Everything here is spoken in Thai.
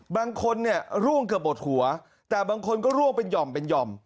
บางคนเนี่ยร่วงเกือบหมดหัวแต่บางคนก็ร่วงเป็นห่อมเป็นหย่อม